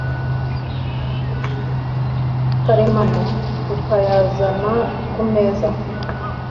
karemano, tukayazana ku meza.